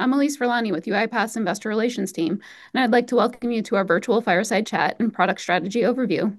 I'm Allise Furlani with UiPath's Investor Relations team, and I'd like to welcome you to our virtual fireside chat and product strategy overview.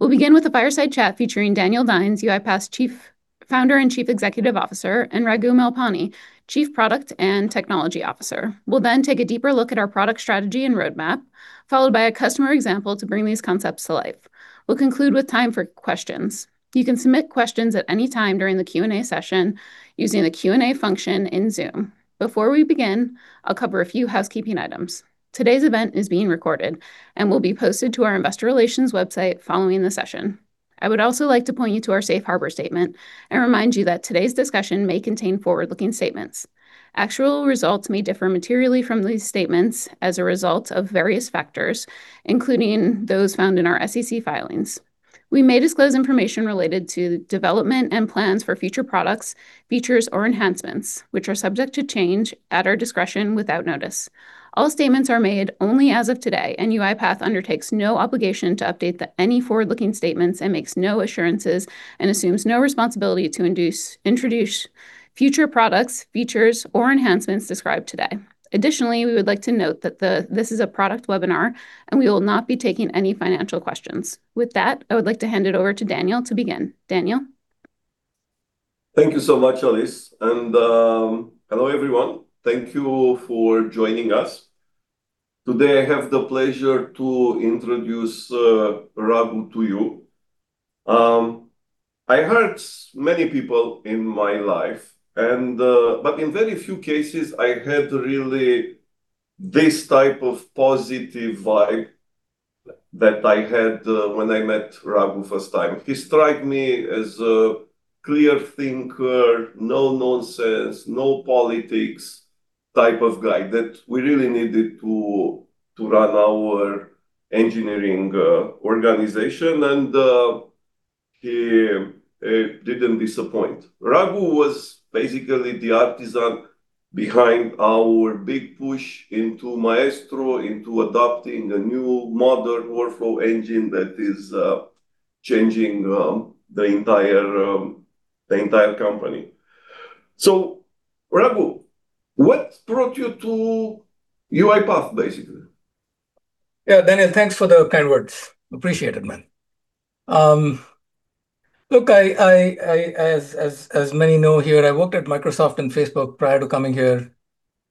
We'll begin with a fireside chat featuring Daniel Dines, UiPath's Founder and Chief Executive Officer, and Raghu Malpani, Chief Product and Technology Officer. We'll then take a deeper look at our product strategy and roadmap, followed by a customer example to bring these concepts to life. We'll conclude with time for questions. You can submit questions at any time during the Q&A session using the Q&A function in Zoom. Before we begin, I'll cover a few housekeeping items. Today's event is being recorded and will be posted to our investor relations website following the session. I would also like to point you to our Safe Harbor statement and remind you that today's discussion may contain forward-looking statements. Actual results may differ materially from these statements as a result of various factors, including those found in our SEC filings. We may disclose information related to development and plans for future products, features, or enhancements, which are subject to change at our discretion without notice. All statements are made only as of today, and UiPath undertakes no obligation to update any forward-looking statements and makes no assurances, and assumes no responsibility to introduce future products, features, or enhancements described today. Additionally, we would like to note that this is a product webinar, and we will not be taking any financial questions. With that, I would like to hand it over to Daniel to begin. Daniel? Thank you so much, Allise. Hello, everyone. Thank you for joining us. Today, I have the pleasure to introduce Raghu to you. I met many people in my life, but in very few cases, I had really this type of positive vibe that I had when I met Raghu first time. He struck me as a clear thinker, no nonsense, no politics type of guy that we really needed to run our engineering organization. He didn't disappoint. Raghu was basically the architect behind our big push into Maestro, into adopting a new modern workflow engine that is changing the entire company. Raghu, what brought you to UiPath, basically? Yeah, Daniel, thanks for the kind words. Appreciate it, man. Look, as many know here, I worked at Microsoft and Facebook prior to coming here.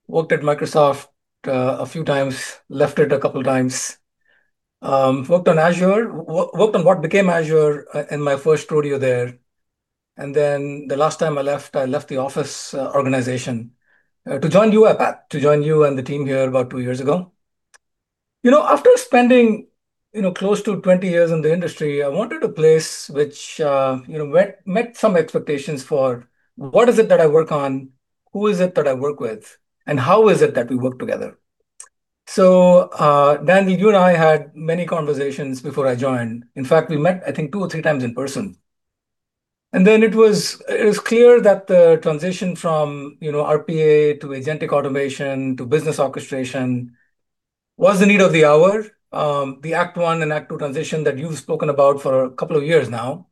Worked at Microsoft a few times, left it a couple of times. Worked on what became Azure in my first rodeo there, and then the last time I left, I left the Office organization to join UiPath, to join you and the team here about two years ago. After spending close to 20 years in the industry, I wanted a place which met some expectations for what is it that I work on, who is it that I work with, and how is it that we work together. Daniel, you and I had many conversations before I joined. In fact, we met, I think, two or three times in person. It was clear that the transition from RPA to agentic automation to business orchestration was the need of the hour. The act one and act two transition that you've spoken about for a couple of years now,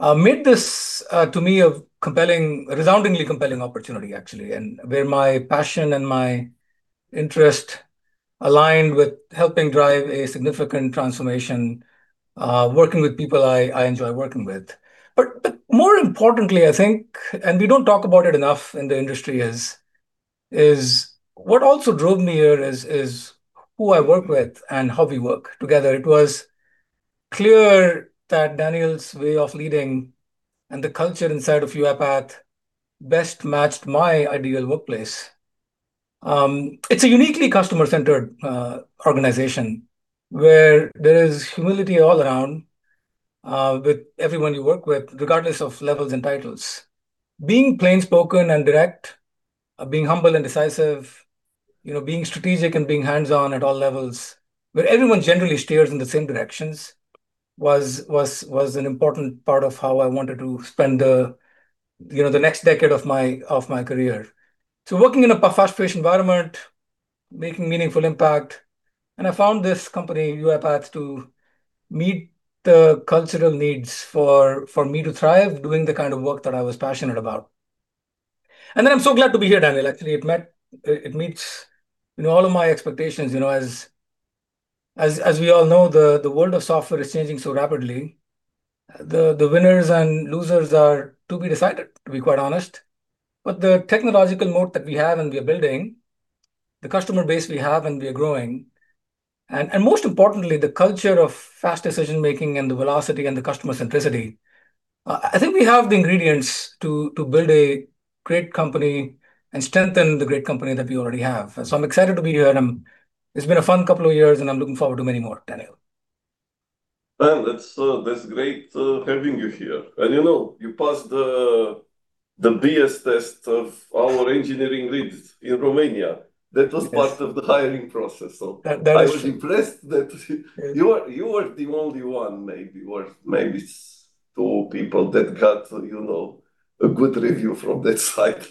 made this, to me, a resoundingly compelling opportunity, actually, and where my passion and my interest aligned with helping drive a significant transformation, working with people I enjoy working with. More importantly, I think, and we don't talk about it enough in the industry is, what also drove me here is who I work with and how we work together. It was clear that Daniel's way of leading and the culture inside of UiPath best matched my ideal workplace. It's a uniquely customer-centered organization where there is humility all around, with everyone you work with, regardless of levels and titles. Being plain spoken and direct, being humble and decisive, being strategic and being hands-on at all levels, where everyone generally steers in the same directions was an important part of how I wanted to spend the next decade of my career. Working in a fast-paced environment, making meaningful impact, and I found this company, UiPath, to meet the cultural needs for me to thrive doing the kind of work that I was passionate about. I'm so glad to be here, Daniel. Actually, it meets all of my expectations. As we all know, the world of software is changing so rapidly. The winners and losers are to be decided, to be quite honest. The technological mode that we have and we are building, the customer base we have and we are growing, and most importantly, the culture of fast decision-making and the velocity and the customer centricity, I think we have the ingredients to build a great company and strengthen the great company that we already have. I'm excited to be here, and it's been a fun couple of years, and I'm looking forward to many more, Daniel. Well, that's great having you here. You know, you passed the BS test of our engineering leads in Romania. Yes. That was part of the hiring process. That is true. I was impressed that you were the only one maybe, or maybe two people that got a good review from that site.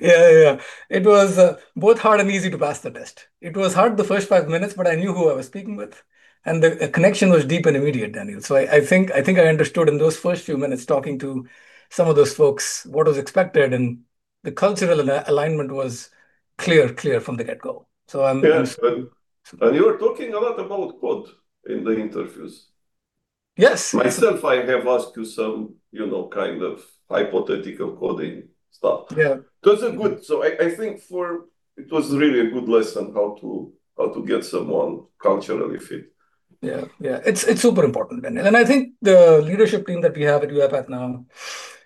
Yeah. It was both hard and easy to pass the test. It was hard the first five minutes, but I knew who I was speaking with, and the connection was deep and immediate, Daniel. I think I understood in those first few minutes talking to some of those folks what was expected and the cultural alignment was clear from the get-go. I'm Yes. You're talking a lot about code in the interviews. Yes. Myself, I have asked you some kind of hypothetical coding stuff. Yeah. Those are good. I think it was really a good lesson how to get someone culturally fit. Yeah. It's super important, Daniel. I think the leadership team that we have at UiPath now,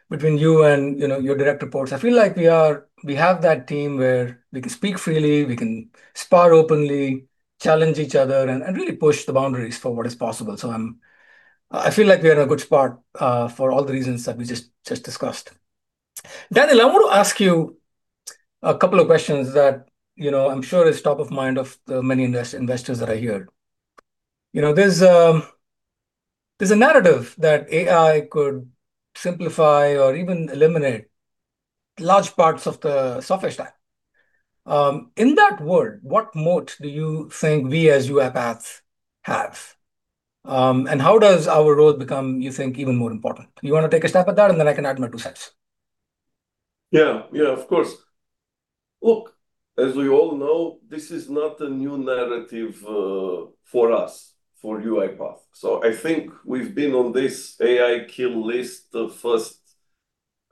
between you and your direct reports, I feel like we have that team where we can speak freely, we can spar openly, challenge each other, and really push the boundaries for what is possible. I feel like we are in a good spot for all the reasons that we just discussed. Daniel, I want to ask you a couple of questions that I'm sure is top of mind of the many investors that are here. There's a narrative that AI could simplify or even eliminate large parts of the software stack. In that world, what moat do you think we as UiPath have? And how does our role become, you think, even more important? You want to take a stab at that and then I can add my two cents? Yeah, of course. Look, as we all know, this is not a new narrative for us, for UiPath. I think we've been on this AI kill list the first,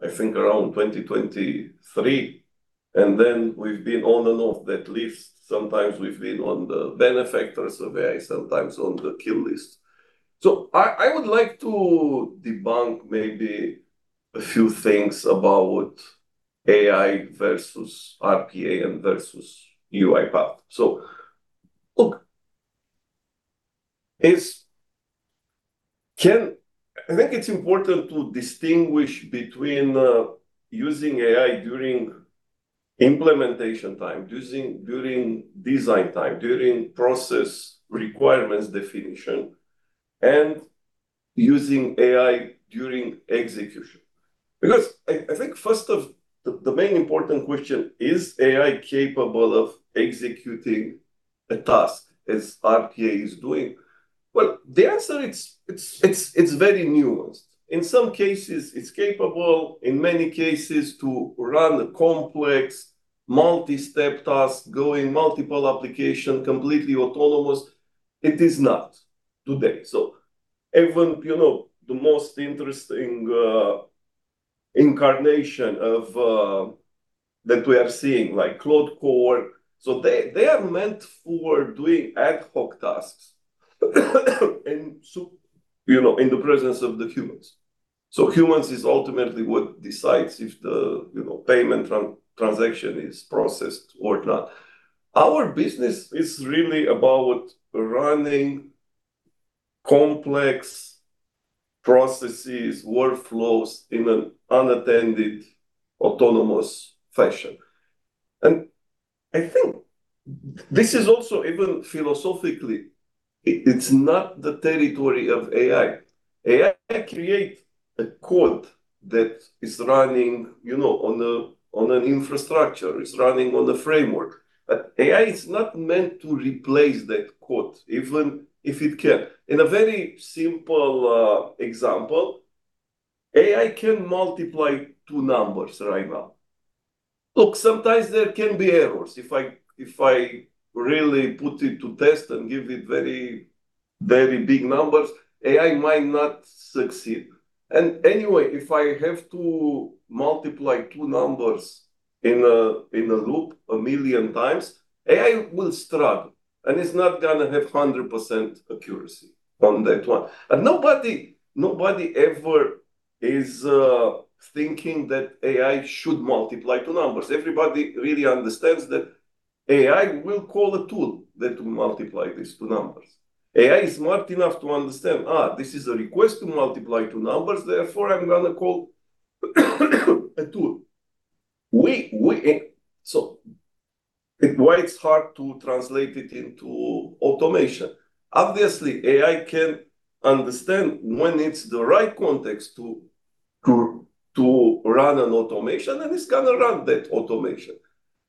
I think, around 2023, and then we've been on and off that list. Sometimes we've been on the beneficiaries of AI, sometimes on the kill list. I would like to debunk maybe a few things about AI versus RPA and versus UiPath. Look, I think it's important to distinguish between using AI during implementation time, during design time, during process requirements definition, and using AI during execution. Because I think first, the main important question is AI capable of executing a task as RPA is doing? Well, the answer, it's very nuanced. In some cases, it's capable, in many cases, to run a complex multi-step task, going multiple applications, completely autonomous. It is not today. Even the most interesting incarnation that we are seeing, like Claude Code, so they are meant for doing ad hoc tasks, and in the presence of the humans. Humans is ultimately what decides if the payment transaction is processed or not. Our business is really about running complex processes, workflows in an unattended, autonomous fashion. I think this is also even philosophically, it's not the territory of AI. AI create a code that is running on an infrastructure, it's running on the framework. But AI is not meant to replace that code, even if it can. In a very simple example, AI can multiply two numbers right now. Look, sometimes there can be errors. If I really put it to test and give it very, very big numbers, AI might not succeed. Anyway, if I have to multiply two numbers in a loop 1 million times, AI will struggle, and it's not going to have 100% accuracy on that one. Nobody ever is thinking that AI should multiply two numbers. Everybody really understands that AI will call a tool there to multiply these two numbers. AI is smart enough to understand, this is a request to multiply two numbers, therefore, I'm going to call a tool. Why it's hard to translate it into automation. Obviously, AI can understand when it's the right context to run an automation, and it's going to run that automation.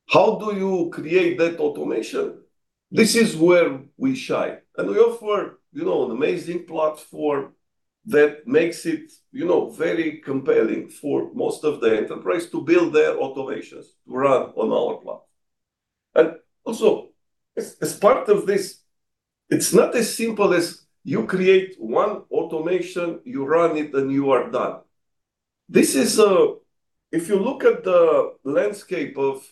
How do you create that automation? This is where we shine, and we offer an amazing platform that makes it very compelling for most of the enterprise to build their automations to run on our platform. Also, as part of this, it's not as simple as you create one automation, you run it, and you are done. If you look at the landscape of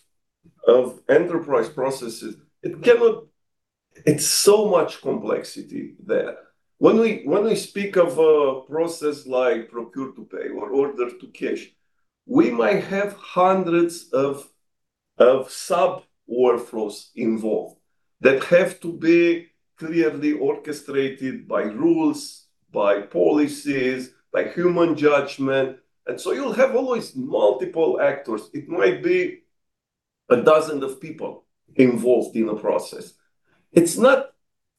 enterprise processes, it's so much complexity there. When we speak of a process like procure to pay or order to cash, we might have hundreds of sub workflows involved that have to be clearly orchestrated by rules, by policies, by human judgment. You'll have always multiple actors. It might be a dozen of people involved in a process.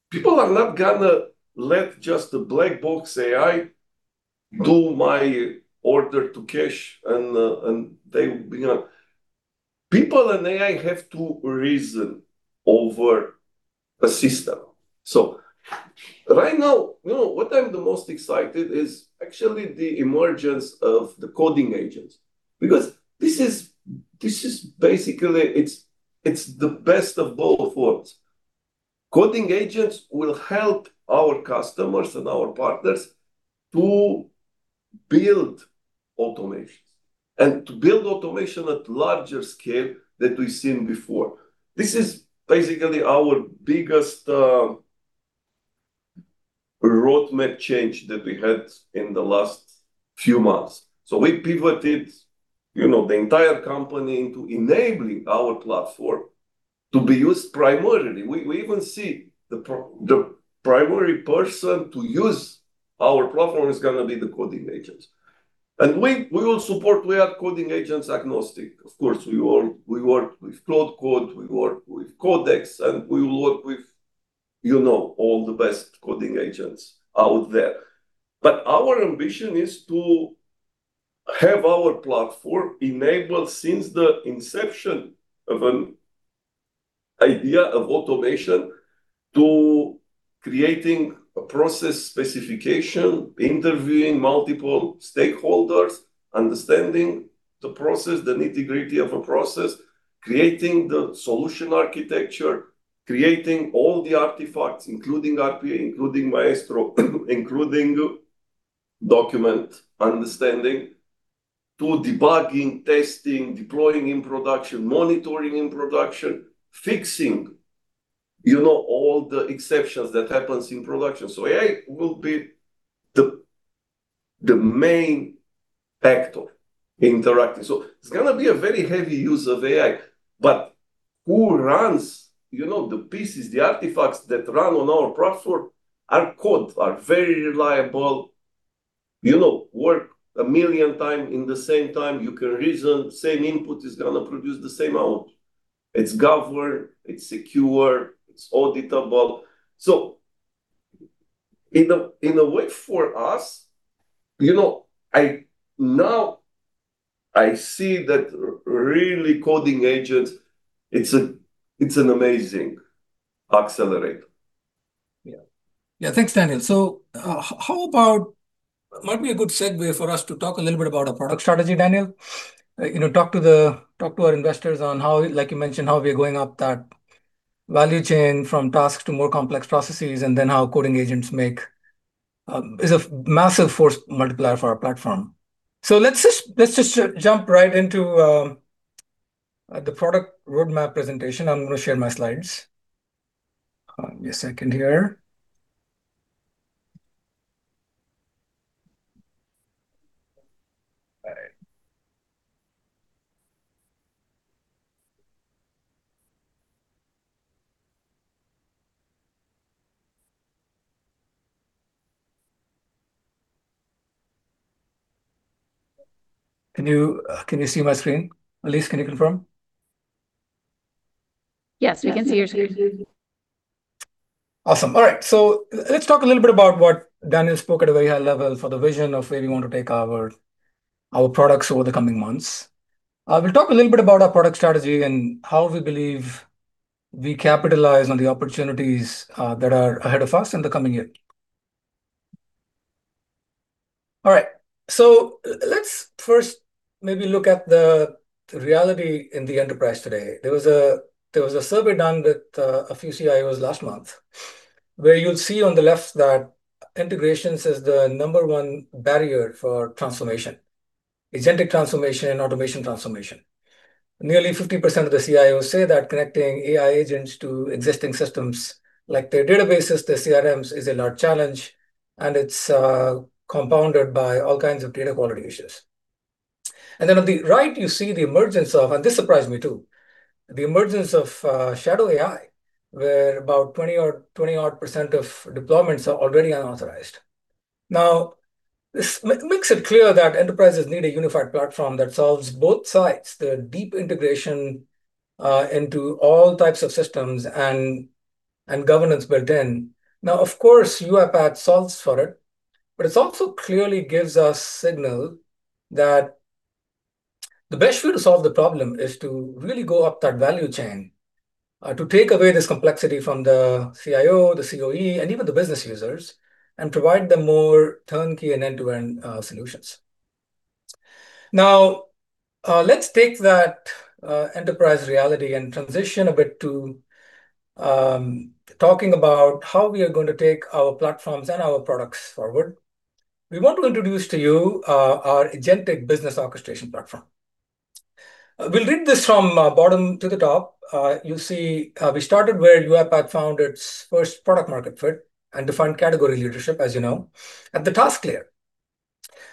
People are not going to let just a black box AI do my order to cash, and people and AI have to reason over a system. Right now, what I'm most excited about is actually the emergence of the coding agents, because this is basically, it's the best of both worlds. Coding agents will help our customers and our partners to build automations, and to build automation at larger scale than we've seen before. This is basically our biggest roadmap change that we had in the last few months. We pivoted the entire company into enabling our platform to be used primarily. We even see the primary person to use our platform is going to be the coding agents. We will support, we are coding agents agnostic. Of course, we work with Claude Code, we work with Codex, and we work with all the best coding agents out there. Our ambition is to have our platform enabled since the inception of an idea of automation to creating a process specification, interviewing multiple stakeholders, understanding the process, the nitty-gritty of a process, creating the solution architecture, creating all the artifacts, including RPA, including Maestro, including Document Understanding, to debugging, testing, deploying in production, monitoring in production, fixing all the exceptions that happens in production. AI will be the main factor interacting. It's going to be a very heavy use of AI, but who runs the pieces, the artifacts that run on our platform are code, are very reliable, work a million time. In the same time, you can reason, same input is going to produce the same output. It's governed, it's secure, it's auditable. In a way for us, now I see that really coding agents, it's an amazing accelerator. Yeah. Thanks, Daniel. Might be a good segue for us to talk a little bit about our product strategy, Daniel. Talk to our investors on how, like you mentioned, how we are going up that value chain from tasks to more complex processes, and then how coding agents make it a massive force multiplier for our platform. Let's just jump right into the product roadmap presentation. I'm going to share my slides. Give me a second here. All right. Can you see my screen? Allise, can you confirm? Yes, we can see your screen. Awesome. All right. Let's talk a little bit about what Daniel spoke at a very high level for the vision of where we want to take our products over the coming months. We'll talk a little bit about our product strategy and how we believe we capitalize on the opportunities that are ahead of us in the coming year. All right. Let's first maybe look at the reality in the enterprise today. There was a survey done with a few CIOs last month, where you'll see on the left that integrations is the number one barrier for transformation, agentic transformation and automation transformation. Nearly 50% of the CIOs say that connecting AI agents to existing systems like their databases, their CRMs, is a large challenge, and it's compounded by all kinds of data quality issues. On the right, you see the emergence of, and this surprised me, too, the emergence of shadow AI, where about 20-odd percent of deployments are already unauthorized. Now, this makes it clear that enterprises need a unified platform that solves both sides, the deep integration into all types of systems, and governance built in. Now, of course, UiPath solves for it, but it also clearly gives a signal that the best way to solve the problem is to really go up that value chain, to take away this complexity from the CIO, the COE, and even the business users, and provide them more turnkey and end-to-end solutions. Now, let's take that enterprise reality and transition a bit to talking about how we are going to take our platforms and our products forward. We want to introduce to you our agentic business orchestration platform. We'll read this from bottom to the top. You'll see we started where UiPath found its first product market fit and defined category leadership, as you know, at the task layer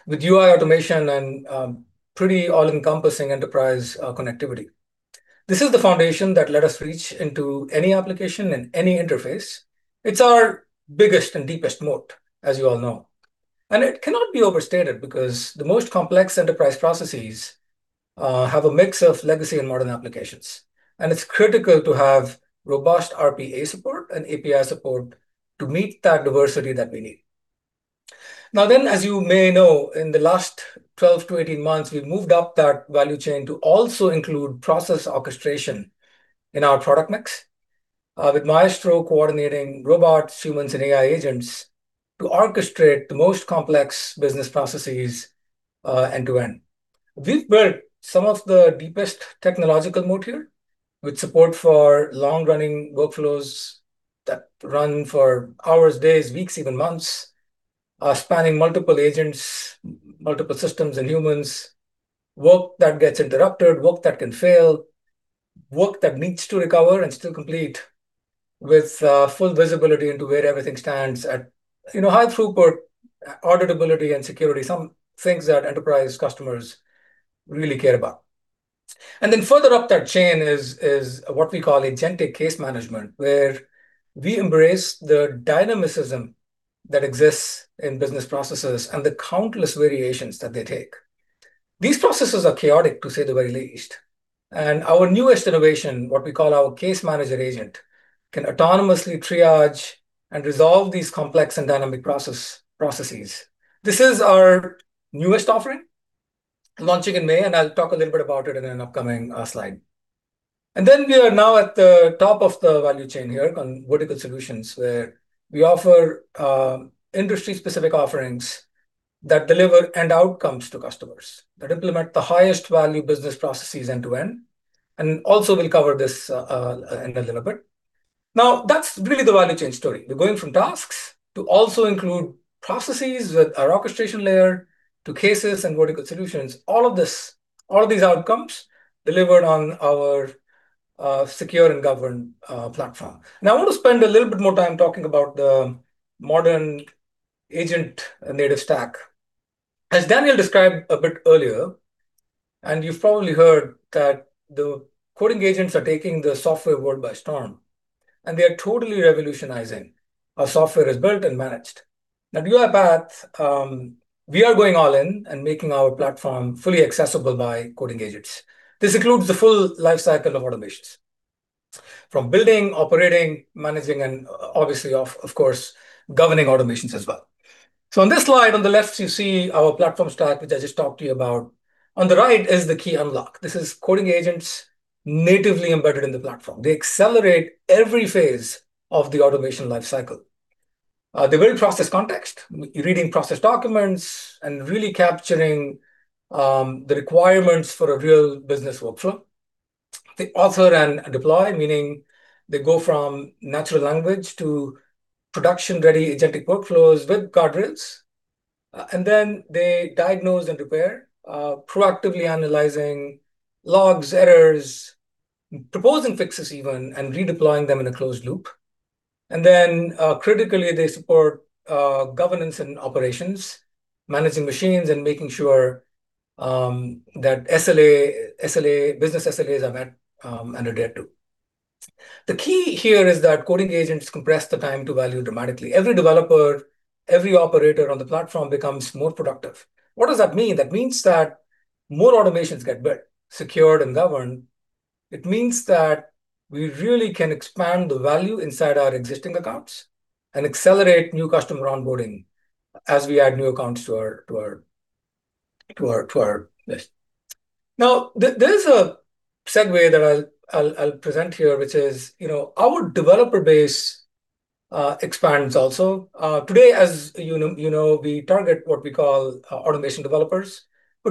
with UI automation and pretty all-encompassing enterprise connectivity. This is the foundation that let us reach into any application and any interface. It's our biggest and deepest moat, as you all know. It cannot be overstated, because the most complex enterprise processes have a mix of legacy and modern applications, and it's critical to have robust RPA support and API support to meet that diversity that we need. As you may know, in the last 12-18 months, we've moved up that value chain to also include process orchestration in our product mix, with Maestro coordinating robots, humans, and AI agents to orchestrate the most complex business processes end-to-end. We've built some of the deepest technological moats here, with support for long-running workflows that run for hours, days, weeks, even months, spanning multiple agents, multiple systems and humans, work that gets interrupted, work that can fail, work that needs to recover and still complete with full visibility into where everything stands at high throughput, auditability, and security, some things that enterprise customers really care about. Further up that chain is what we call agentic case management, where we embrace the dynamism that exists in business processes and the countless variations that they take. These processes are chaotic, to say the very least. Our newest innovation, what we call our case manager agent, can autonomously triage and resolve these complex and dynamic processes. This is our newest offering, launching in May, and I'll talk a little bit about it in an upcoming slide. We are now at the top of the value chain here on vertical solutions, where we offer industry-specific offerings that deliver end outcomes to customers, that implement the highest value business processes end-to-end, and also we'll cover this in a little bit. Now, that's really the value chain story. We're going from tasks to also include processes with our orchestration layer to cases and vertical solutions. All of these outcomes delivered on our secure and governed platform. Now, I want to spend a little bit more time talking about the modern agent-native stack. As Daniel described a bit earlier, and you've probably heard, that the coding agents are taking the software world by storm, and they are totally revolutionizing how software is built and managed. At UiPath, we are going all in and making our platform fully accessible by coding agents. This includes the full life cycle of automations, from building, operating, managing, and obviously, of course, governing automations as well. On this slide, on the left, you see our platform stack, which I just talked to you about. On the right is the key unlock. This is coding agents natively embedded in the platform. They accelerate every phase of the automation life cycle. They will process context, reading process documents, and really capturing the requirements for a real business workflow. They author and deploy, meaning they go from natural language to production-ready agentic workflows with guardrails. They diagnose and repair, proactively analyzing logs, errors, proposing fixes even, and redeploying them in a closed loop. Critically, they support governance and operations, managing machines, and making sure that business SLAs are met and adhered to. The key here is that coding agents compress the time to value dramatically. Every developer, every operator on the platform becomes more productive. What does that mean? That means that more automations get built, secured, and governed. It means that we really can expand the value inside our existing accounts and accelerate new customer onboarding as we add new accounts to our list. Now, there's a segue that I'll present here, which is our developer base expands also. Today, as you know, we target what we call automation developers.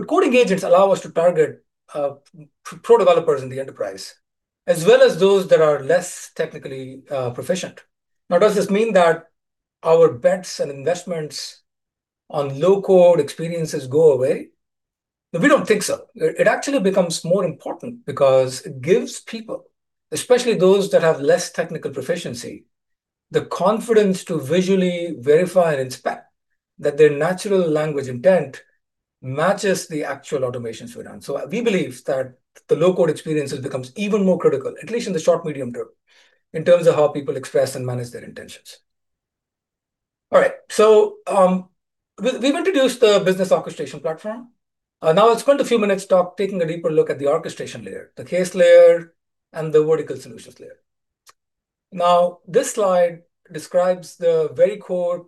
Coding agents allow us to target pro developers in the enterprise, as well as those that are less technically proficient. Now, does this mean that our bets and investments on low-code experiences go away? No, we don't think so. It actually becomes more important because it gives people, especially those that have less technical proficiency, the confidence to visually verify and inspect that their natural language intent matches the actual automation suite. We believe that the low-code experience becomes even more critical, at least in the short-medium term, in terms of how people express and manage their intentions. All right. We've introduced the business orchestration platform. Now let's spend a few minutes taking a deeper look at the orchestration layer, the case layer, and the vertical solutions layer. Now, this slide describes the very core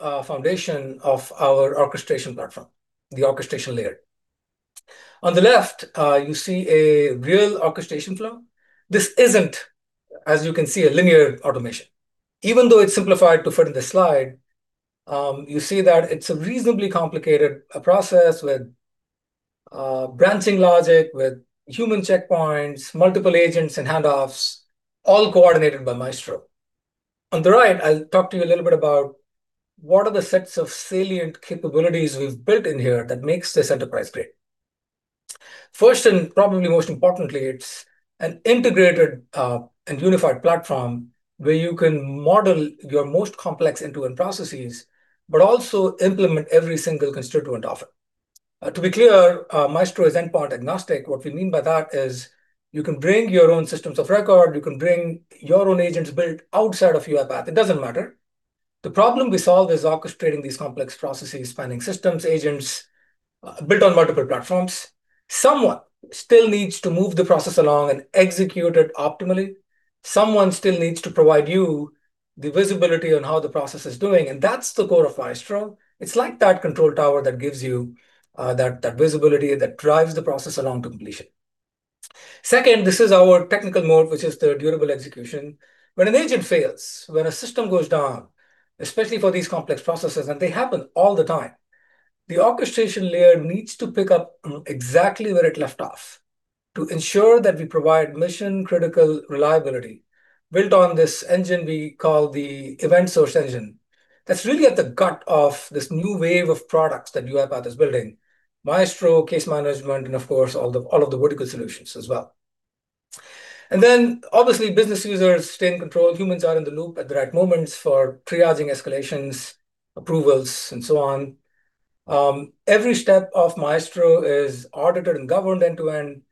foundation of our orchestration platform, the orchestration layer. On the left, you see a real orchestration flow. This isn't, as you can see, a linear automation. Even though it's simplified to fit in this slide, you see that it's a reasonably complicated process with branching logic, with human checkpoints, multiple agents and handoffs, all coordinated by Maestro. On the right, I'll talk to you a little bit about what are the sets of salient capabilities we've built in here that makes this enterprise-grade. First, and probably most importantly, it's an integrated and unified platform where you can model your most complex end-to-end processes, but also implement every single constituent of it. To be clear, Maestro is endpoint agnostic. What we mean by that is you can bring your own systems of record, you can bring your own agents built outside of UiPath. It doesn't matter. The problem we solve is orchestrating these complex processes, spanning systems, agents built on multiple platforms. Someone still needs to move the process along and execute it optimally. Someone still needs to provide you the visibility on how the process is doing, and that's the core of Maestro. It's like that control tower that gives you that visibility that drives the process along to completion. Second, this is our technical mode, which is the durable execution. When an agent fails, when a system goes down, especially for these complex processes, and they happen all the time, the orchestration layer needs to pick up exactly where it left off to ensure that we provide mission-critical reliability built on this engine we call the event-sourced engine. That's really at the heart of this new wave of products that UiPath is building, Maestro, case management, and of course, all of the vertical solutions as well. Obviously business users stay in control. Humans are in the loop at the right moments for triaging escalations, approvals, and so on. Every step of Maestro is audited and governed end-to-end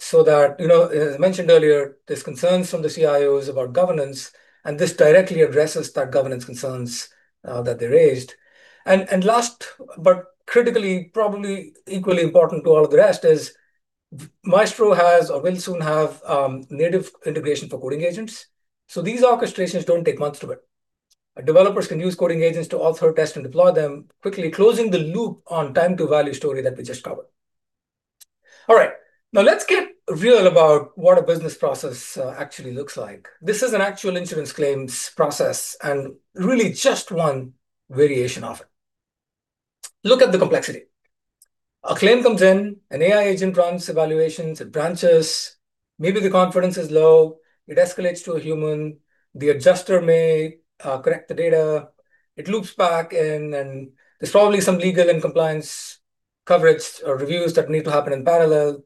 so that, as I mentioned earlier, there's concerns from the CIOs about governance, and this directly addresses that governance concerns that they raised. Last, but critically, probably equally important to all of the rest is Maestro has or will soon have native integration for coding agents. These orchestrations don't take months to build. Developers can use coding agents to author, test, and deploy them, quickly closing the loop on time to value story that we just covered. All right. Now let's get real about what a business process actually looks like. This is an actual insurance claims process and really just one variation of it. Look at the complexity. A claim comes in, an AI agent runs evaluations, it branches. Maybe the confidence is low, it escalates to a human. The adjuster may correct the data. It loops back in, and there's probably some legal and compliance coverage or reviews that need to happen in parallel.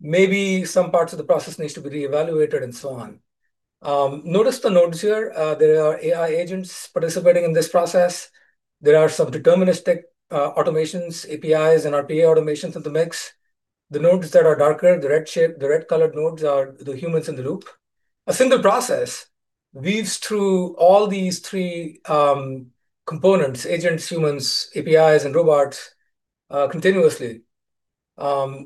Maybe some parts of the process needs to be re-evaluated and so on. Notice the nodes here. There are AI agents participating in this process. There are some deterministic automations, APIs, and RPA automations in the mix. The nodes that are darker, the red colored nodes are the humans in the loop. A single process weaves through all these three components, agents, humans, APIs, and robots, continuously.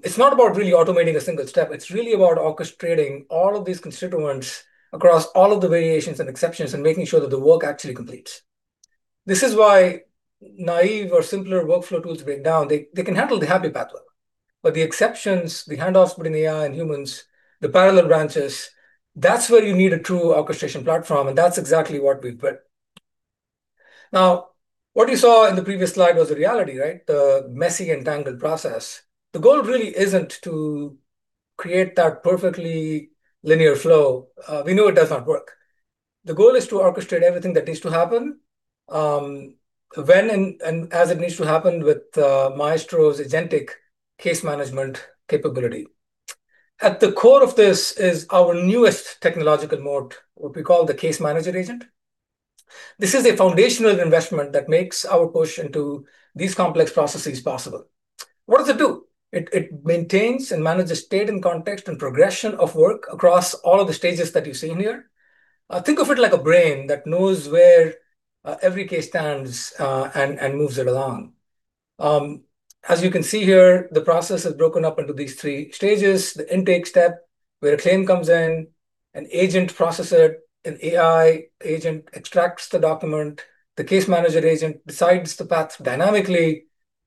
It's not about really automating a single step, it's really about orchestrating all of these constituents across all of the variations and exceptions and making sure that the work actually completes. This is why naive or simpler workflow tools break down. They can handle the happy path well. The exceptions, the handoffs between AI and humans, the parallel branches, that's where you need a true orchestration platform, and that's exactly what we've built. Now, what you saw in the previous slide was a reality, right? The messy, entangled process. The goal really isn't to create that perfectly linear flow. We know it does not work. The goal is to orchestrate everything that needs to happen, when and as it needs to happen with Maestro's agentic case management capability. At the core of this is our newest technological mode, what we call the case manager agent. This is a foundational investment that makes our push into these complex processes possible. What does it do? It maintains and manages state and context and progression of work across all of the stages that you've seen here. Think of it like a brain that knows where every case stands, and moves it along. As you can see here, the process is broken up into these three stages. The intake step, where a claim comes in, an agent processes it, an AI agent extracts the document. The case manager agent decides the paths dynamically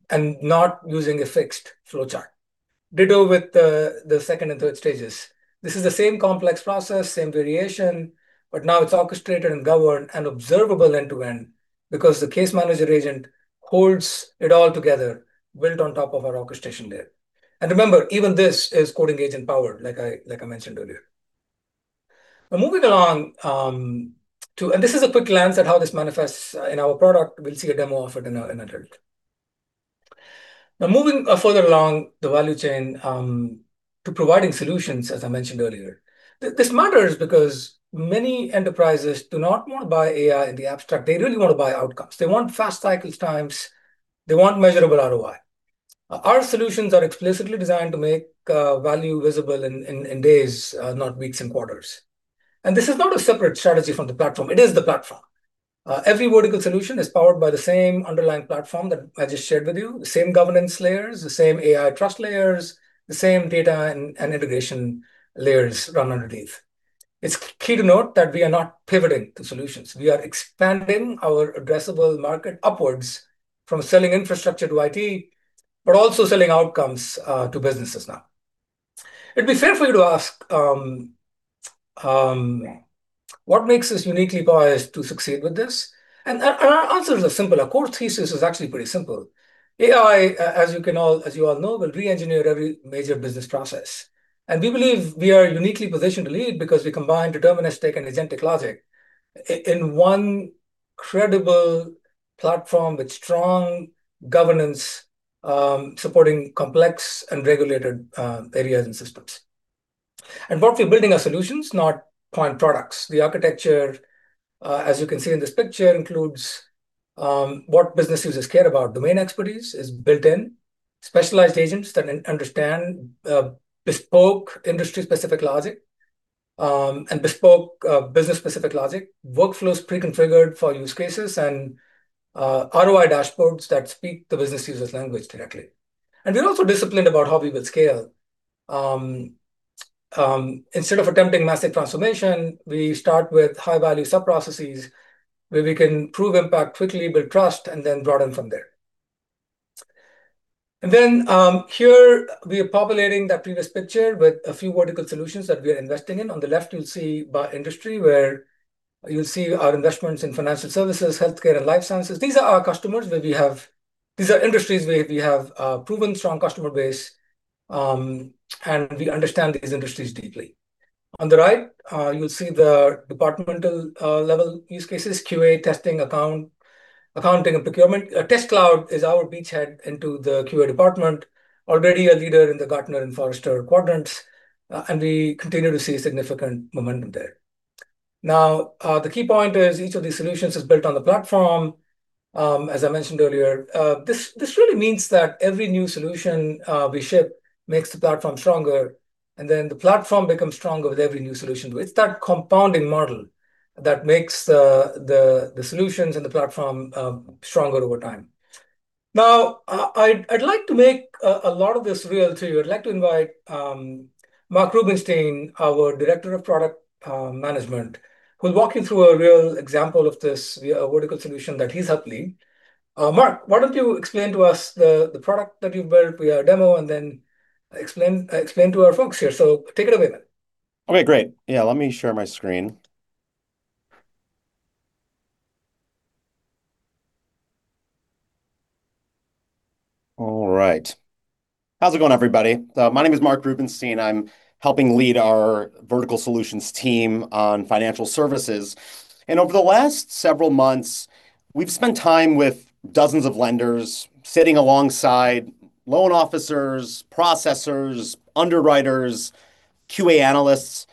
and not using a fixed flowchart. Ditto with the second and third stages. This is the same complex process, same variation, but now it's orchestrated and governed and observable end-to-end because the case manager agent holds it all together, built on top of our orchestration layer. Remember, even this is coding agent-powered, like I mentioned earlier. Now, moving along, and this is a quick glance at how this manifests in our product. We'll see a demo of it in a minute. Now, moving further along the value chain to providing solutions, as I mentioned earlier. This matters because many enterprises do not want to buy AI in the abstract. They really want to buy outcomes. They want fast cycle times. They want measurable ROI. Our solutions are explicitly designed to make value visible in days, not weeks and quarters. This is not a separate strategy from the platform. It is the platform. Every vertical solution is powered by the same underlying platform that I just shared with you. The same governance layers, the same AI trust layers, the same data and integration layers run underneath. It's key to note that we are not pivoting to solutions. We are expanding our addressable market upwards from selling infrastructure to IT, but also selling outcomes to businesses now. It'd be fair for you to ask, what makes us uniquely poised to succeed with this? Our answer is a simple. Our core thesis is actually pretty simple. AI, as you all know, will re-engineer every major business process, and we believe we are uniquely positioned to lead because we combine deterministic and agentic logic in one credible platform with strong governance, supporting complex and regulated areas and systems. What we're building are solutions, not point products. The architecture, as you can see in this picture, includes what business users care about. Domain expertise is built in. Specialized agents that understand bespoke industry-specific logic. Bespoke business-specific logic, workflows pre-configured for use cases, and ROI dashboards that speak the business user's language directly. We're also disciplined about how we will scale. Instead of attempting massive transformation, we start with high-value subprocesses where we can prove impact quickly, build trust, and then broaden from there. Here we are populating that previous picture with a few vertical solutions that we are investing in. On the left, you'll see by industry where you'll see our investments in financial services, healthcare, and life sciences. These are industries where we have a proven strong customer base, and we understand these industries deeply. On the right, you'll see the departmental level use cases, QA testing, accounts, accounting, and procurement. Test Cloud is our beachhead into the QA department. Already a leader in the Gartner and Forrester quadrants, and we continue to see significant momentum there. Now, the key point is each of these solutions is built on the platform, as I mentioned earlier. This really means that every new solution we ship makes the platform stronger, and then the platform becomes stronger with every new solution. It's that compounding model that makes the solutions and the platform stronger over time. Now, I'd like to make a lot of this real to you. I'd like to invite Mark Rubinstein, our Director of Product Management, who'll walk you through a real example of this, a vertical solution that he's helping. Mark, why don't you explain to us the product that you built via demo and then explain to our folks here. Take it away, man. Okay, great. Yeah. Let me share my screen. All right. How's it going, everybody? My name is Mark Rubinstein. I'm helping lead our vertical solutions team on financial services. Over the last several months, we've spent time with dozens of lenders, sitting alongside loan officers, processors, underwriters, QA analysts,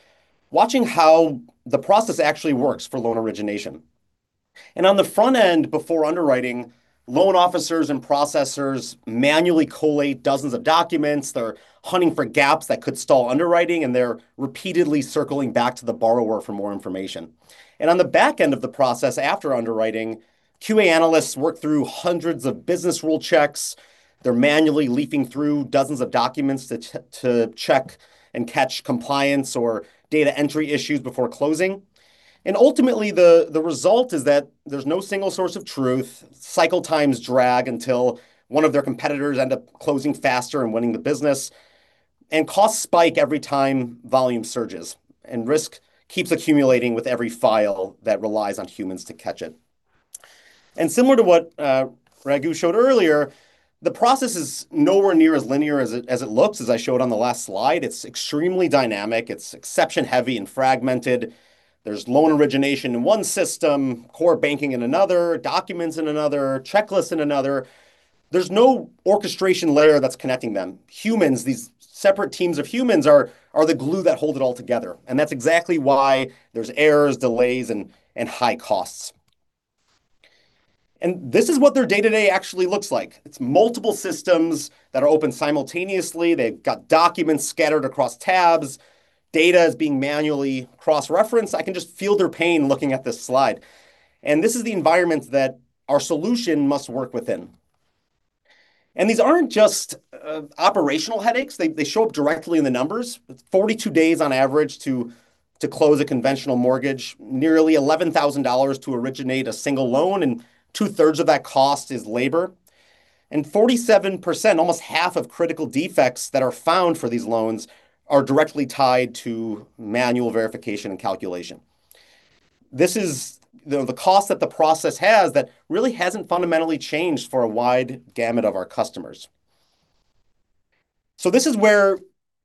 watching how the process actually works for loan origination. On the front end, before underwriting, loan officers and processors manually collate dozens of documents. They're hunting for gaps that could stall underwriting, and they're repeatedly circling back to the borrower for more information. On the back end of the process, after underwriting, QA analysts work through hundreds of business rule checks. They're manually leafing through dozens of documents to check and catch compliance or data entry issues before closing. Ultimately, the result is that there's no single source of truth, cycle times drag until one of their competitors end up closing faster and winning the business, and costs spike every time volume surges, and risk keeps accumulating with every file that relies on humans to catch it. Similar to what Raghu showed earlier, the process is nowhere near as linear as it looks, as I showed on the last slide. It's extremely dynamic. It's exception heavy and fragmented. There's loan origination in one system, core banking in another, documents in another, checklist in another. There's no orchestration layer that's connecting them. Humans, these separate teams of humans are the glue that hold it all together, and that's exactly why there's errors, delays, and high costs. This is what their day-to-day actually looks like. It's multiple systems that are open simultaneously. They've got documents scattered across tabs. Data is being manually cross-referenced. I can just feel their pain looking at this slide. This is the environment that our solution must work within. These aren't just operational headaches. They show up directly in the numbers. It's 42 days on average to close a conventional mortgage. Nearly $11,000 to originate a single loan, and 2/3 of that cost is labor. 47%, almost half of critical defects that are found for these loans are directly tied to manual verification and calculation. This is the cost that the process has that really hasn't fundamentally changed for a wide gamut of our customers. This is where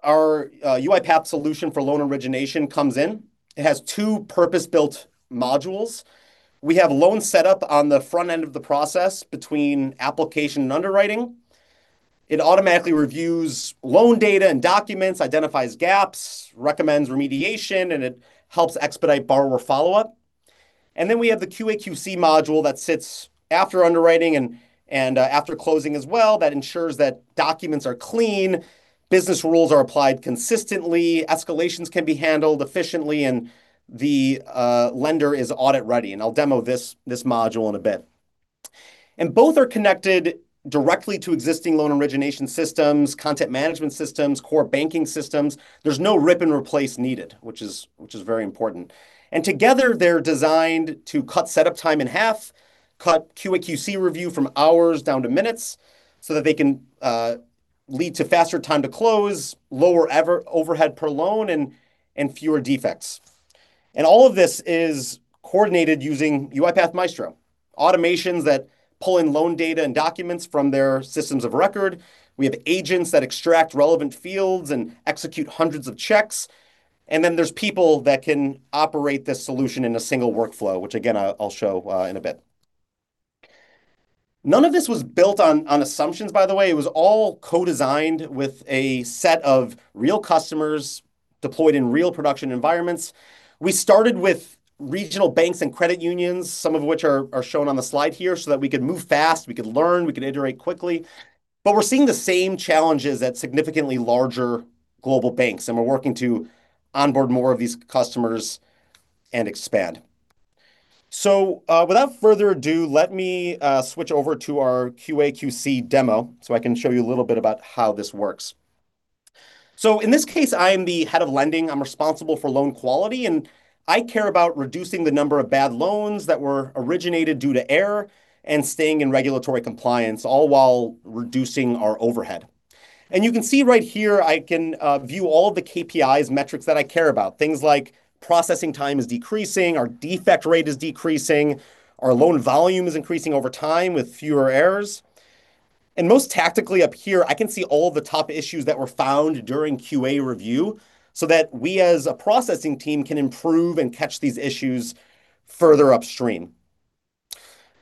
our UiPath Solution for Loan Origination comes in. It has two purpose-built modules. We have loan setup on the front end of the process between application and underwriting. It automatically reviews loan data and documents, identifies gaps, recommends remediation, and it helps expedite borrower follow-up. We have the QA/QC module that sits after underwriting and after closing as well that ensures that documents are clean, business rules are applied consistently, escalations can be handled efficiently, and the lender is audit-ready, and I'll demo this module in a bit. Both are connected directly to existing loan origination systems, content management systems, core banking systems. There's no rip and replace needed, which is very important. Together, they're designed to cut setup time in half, cut QA/QC review from hours down to minutes so that they can lead to faster time to close, lower overhead per loan, and fewer defects. All of this is coordinated using UiPath Maestro automations that pull in loan data and documents from their systems of record. We have agents that extract relevant fields and execute hundreds of checks. Then there's people that can operate this solution in a single workflow, which again, I'll show in a bit. None of this was built on assumptions, by the way. It was all co-designed with a set of real customers deployed in real production environments. We started with regional banks and credit unions, some of which are shown on the slide here, so that we could move fast, we could learn, we could iterate quickly. We're seeing the same challenges at significantly larger global banks, and we're working to onboard more of these customers and expand. Without further ado, let me switch over to our QA/QC demo so I can show you a little bit about how this works. In this case, I am the head of lending. I'm responsible for loan quality, and I care about reducing the number of bad loans that were originated due to error and staying in regulatory compliance, all while reducing our overhead. You can see right here, I can view all of the KPIs, metrics that I care about, things like processing time is decreasing, our defect rate is decreasing, our loan volume is increasing over time with fewer errors. Most tactically up here, I can see all the top issues that were found during QA review so that we as a processing team can improve and catch these issues further upstream.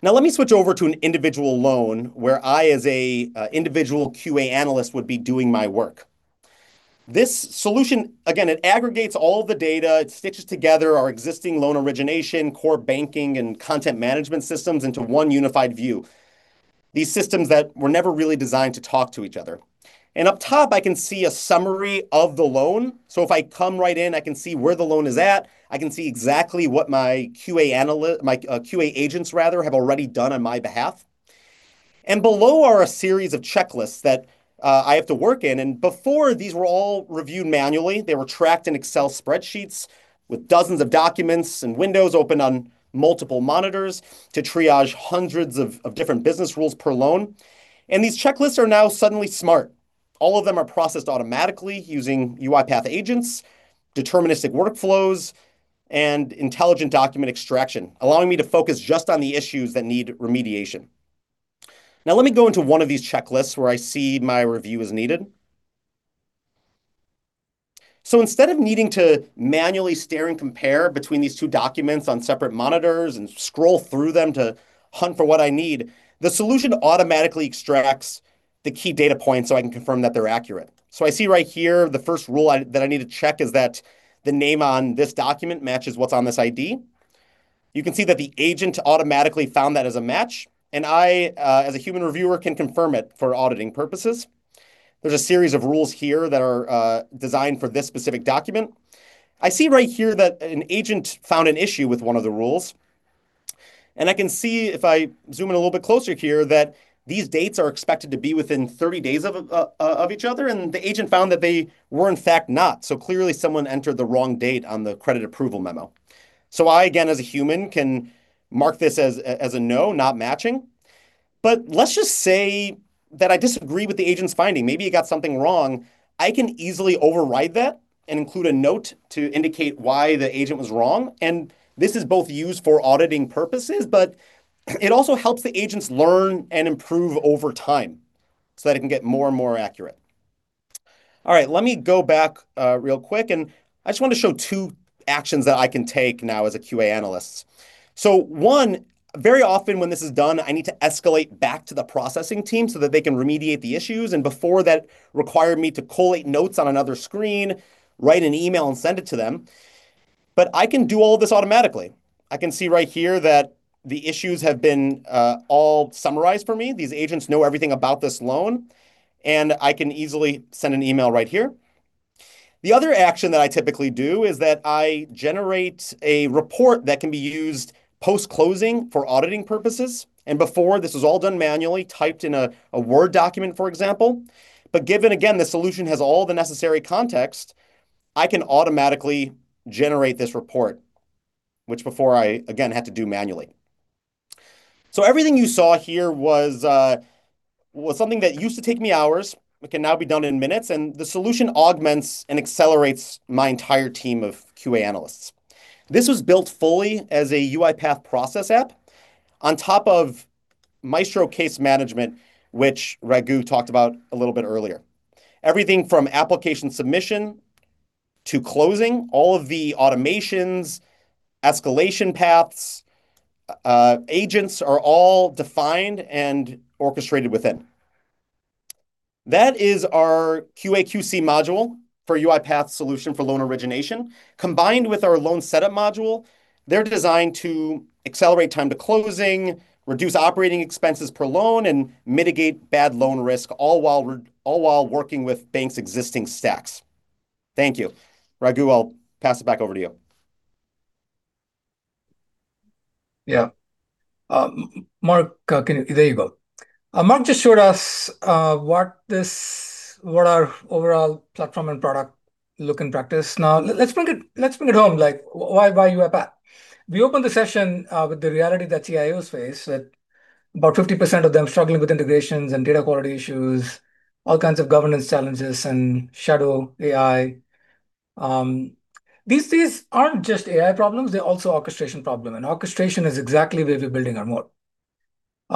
Now let me switch over to an individual loan where I as a individual QA analyst would be doing my work. This solution, again, it aggregates all the data, it stitches together our existing loan origination, core banking, and content management systems into one unified view. These systems that were never really designed to talk to each other. Up top, I can see a summary of the loan. If I come right in, I can see where the loan is at, I can see exactly what my QA analyst, my QA agents rather, have already done on my behalf. Below are a series of checklists that I have to work in. Before, these were all reviewed manually. They were tracked in Excel spreadsheets with dozens of documents and windows open on multiple monitors to triage hundreds of different business rules per loan. These checklists are now suddenly smart. All of them are processed automatically using UiPath agents, deterministic workflows, and intelligent document extraction, allowing me to focus just on the issues that need remediation. Now let me go into one of these checklists where I see my review is needed. Instead of needing to manually stare and compare between these two documents on separate monitors and scroll through them to hunt for what I need, the solution automatically extracts the key data points so I can confirm that they're accurate. I see right here the first rule that I need to check is that the name on this document matches what's on this ID. You can see that the agent automatically found that as a match, and I, as a human reviewer, can confirm it for auditing purposes. There's a series of rules here that are designed for this specific document. I see right here that an agent found an issue with one of the rules, and I can see if I zoom in a little bit closer here, that these dates are expected to be within 30 days of each other, and the agent found that they were in fact not. Clearly someone entered the wrong date on the credit approval memo. I, again, as a human, can mark this as a no, not matching. Let's just say that I disagree with the agent's finding. Maybe it got something wrong. I can easily override that and include a note to indicate why the agent was wrong. This is both used for auditing purposes, but it also helps the agents learn and improve over time so that it can get more and more accurate. All right. Let me go back real quick, and I just want to show two actions that I can take now as a QA analyst. One, very often when this is done, I need to escalate back to the processing team so that they can remediate the issues. Before, that required me to collate notes on another screen, write an email, and send it to them. I can do all this automatically. I can see right here that the issues have been all summarized for me. These agents know everything about this loan, and I can easily send an email right here. The other action that I typically do is that I generate a report that can be used post-closing for auditing purposes. Before, this was all done manually, typed in a Word document, for example. Given, again, the solution has all the necessary context, I can automatically generate this report, which before I, again, had to do manually. Everything you saw here was something that used to take me hours, but can now be done in minutes. The solution augments and accelerates my entire team of QA analysts. This was built fully as a UiPath Process App on top of Maestro case management, which Raghu talked about a little bit earlier. Everything from application submission to closing, all of the automations, escalation paths, agents are all defined and orchestrated within. That is our QA/QC module for UiPath Solution for Loan Origination. Combined with our loan setup module, they're designed to accelerate time to closing, reduce operating expenses per loan, and mitigate bad loan risk, all while working with banks' existing stacks. Thank you. Raghu, I'll pass it back over to you. Yeah. [inaudible] Mark just showed us what our overall platform and product look in practice. Now, let's bring it home, like why UiPath? We opened the session with the reality that CIOs face, that about 50% of them struggling with integrations and data quality issues, all kinds of governance challenges and shadow AI. These aren't just AI problems, they're also orchestration problem, and orchestration is exactly where we're building our moat.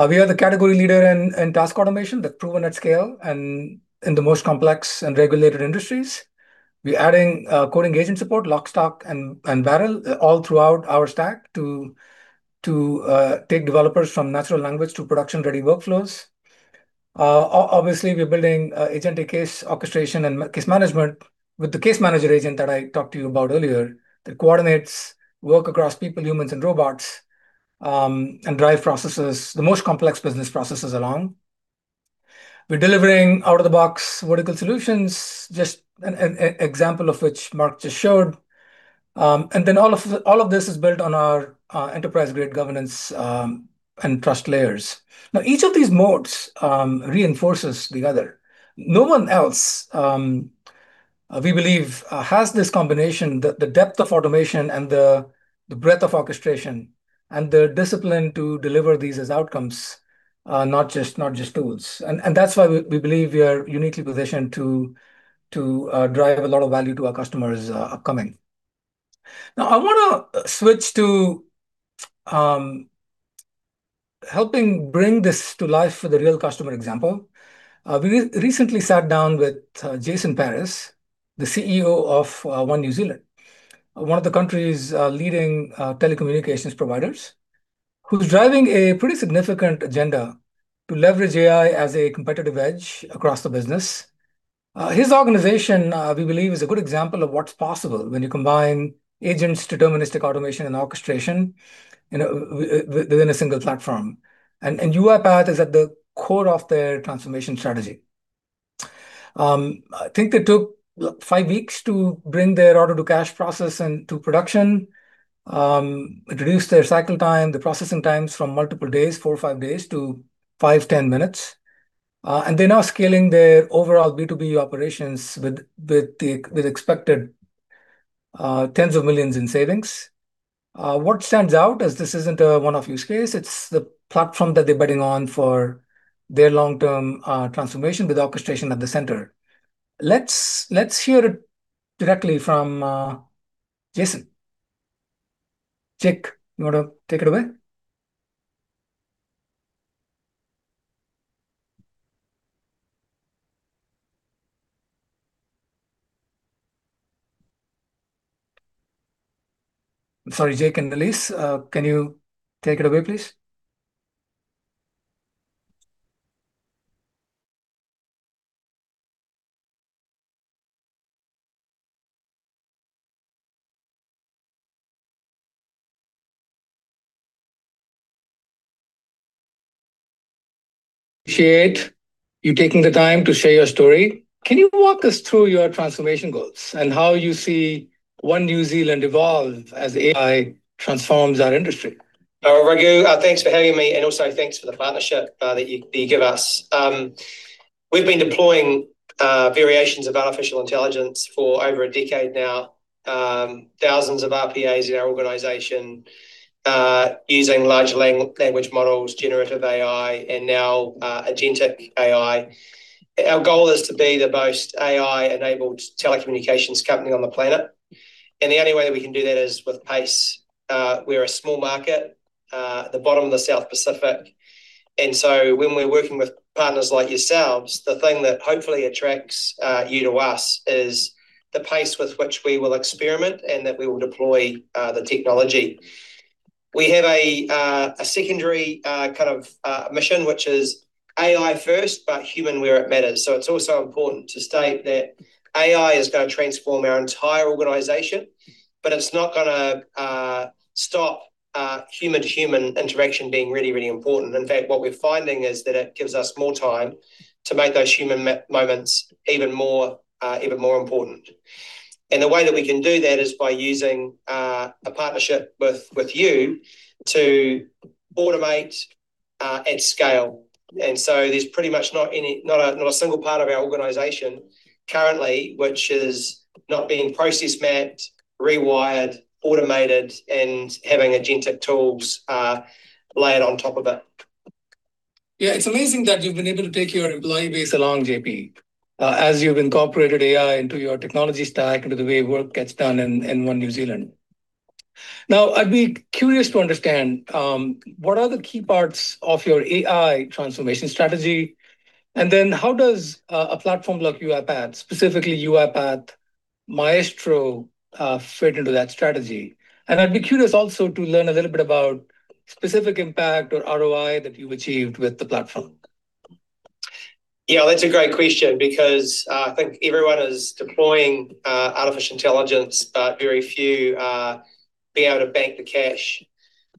We are the category leader in task automation that's proven at scale and in the most complex and regulated industries. We're adding coding agent support, lock, stock, and barrel all throughout our stack to take developers from natural language to production-ready workflows. Obviously, we are building agentic case orchestration and case management with the case manager agent that I talked to you about earlier, that coordinates work across people, humans, and robots, and drive processes, the most complex business processes along. We're delivering out-of-the-box vertical solutions, just an example of which Mark just showed. All of this is built on our enterprise-grade governance and trust layers. Now, each of these modes reinforces the other. No one else, we believe, has this combination, the depth of automation and the breadth of orchestration, and the discipline to deliver these as outcomes, not just tools. That's why we believe we are uniquely positioned to drive a lot of value to our customers upcoming. Now I want to switch to helping bring this to life with a real customer example. We recently sat down with Jason Paris, the CEO of One New Zealand, one of the country's leading telecommunications providers, who's driving a pretty significant agenda to leverage AI as a competitive edge across the business. His organization, we believe, is a good example of what's possible when you combine agents, deterministic automation, and orchestration within a single platform. UiPath is at the core of their transformation strategy. I think they took five weeks to bring their order-to-cash process into production, reduced their cycle time, the processing times, from multiple days, four or five days, to 5-10 minutes. They're now scaling their overall B2B operations with expected tens of millions in savings. What stands out is this isn't a one-off use case, it's the platform that they're betting on for their long-term transformation with orchestration at the center. Let's hear it directly from Jason. Jake, you want to take it away? I'm sorry, Jake and Allise, can you take it away, please? Appreciate you taking the time to share your story. Can you walk us through your transformation goals and how you see One New Zealand evolve as AI transforms our industry? Raghu, thanks for having me, and also thanks for the partnership that you give us. We've been deploying variations of artificial intelligence for over a decade now. Thousands of RPAs in our organization, using large language models, generative AI, and now agentic AI. Our goal is to be the most AI-enabled telecommunications company on the planet, and the only way that we can do that is with pace. We're a small market, the bottom of the South Pacific. When we're working with partners like yourselves, the thing that hopefully attracts you to us is the pace with which we will experiment and that we will deploy the technology. We have a secondary kind of mission, which is AI first, but human where it matters. It's also important to state that AI is going to transform our entire organization, but it's not going to stop human-to-human interaction being really, really important. In fact, what we're finding is that it gives us more time to make those human moments even more important. The way that we can do that is by using a partnership with you to automate at scale. There's pretty much not a single part of our organization currently which is not being process mapped, re-wired, automated, and having agentic tools layered on top of it. Yeah. It's amazing that you've been able to take your employee base along, JP, as you've incorporated AI into your technology stack, into the way work gets done in One New Zealand. Now, I'd be curious to understand, what are the key parts of your AI transformation strategy, and then how does a platform like UiPath, specifically UiPath Maestro, fit into that strategy? I'd be curious also to learn a little bit about specific impact or ROI that you've achieved with the platform. Yeah, that's a great question because I think everyone is deploying artificial intelligence, but very few are being able to bank the cash.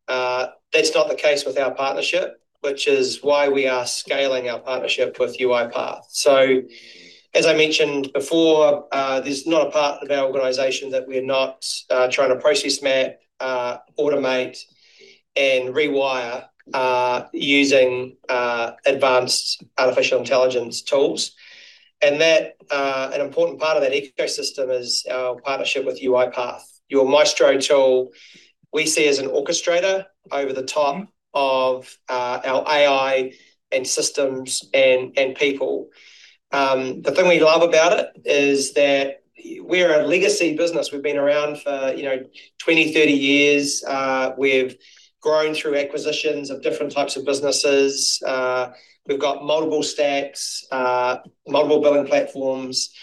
That's not the case with our partnership, which is why we are scaling our partnership with UiPath. As I mentioned before, there's not a part of our organization that we're not trying to process map, automate, and re-wire, using advanced artificial intelligence tools. That's an important part of that ecosystem is our partnership with UiPath. Your Maestro tool, we see as an orchestrator over the top of our AI and systems and people. The thing we love about it is that we're a legacy business. We've been around for 20, 30 years. We've grown through acquisitions of different types of businesses. We've got multiple stacks, multiple billing platforms.